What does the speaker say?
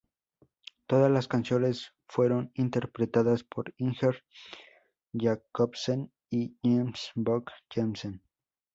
Todas las canciones fueron interpretadas por Inger Jacobsen y Jens Book-Jenssen.